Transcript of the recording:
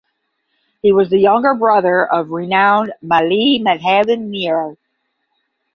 He was the younger brother of renowned Mali Madhavan Nair.